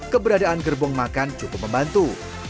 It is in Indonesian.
keberadaan gerbong makan cukup membantu